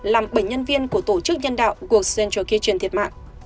làm bảy nhân viên của tổ chức nhân đạo cuộc central kitchen thiệt mạng